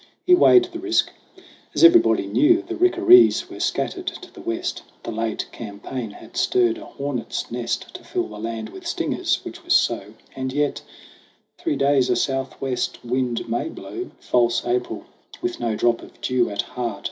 He weighed the risk. As everybody knew, The Rickarees were scattered to the West : The late campaign had stirred a hornet's nest To fill the land with stingers (which was so), And yet Three days a southwest wind may blow False April with no drop of dew at heart.